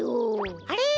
あれ？